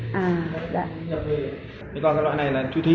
còn cái loại này là truyền thí người ta lấy nhiều nhất